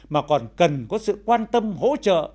mà còn cần có sự quan tâm hỗ trợ